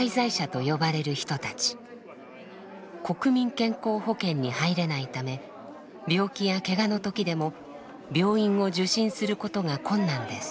国民健康保険に入れないため病気やけがの時でも病院を受診することが困難です。